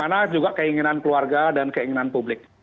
bagaimana juga keinginan keluarga dan keinginan publik